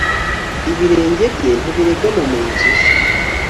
Ibirenge bye ntibiregama mu nzu ye